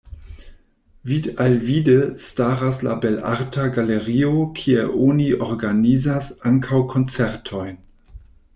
Vidalvide staras la Belarta Galerio, kie oni organizas ankaŭ koncertojn.